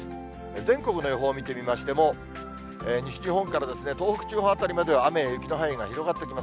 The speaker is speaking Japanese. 全国の予報を見てみましても、西日本から東北地方辺りまでは雨や雪の範囲が広がってきます。